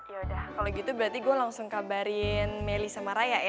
yaudah kalo gitu berarti gua langsung kabarin meli sama raya ya